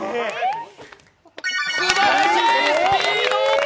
すばらしいスピード！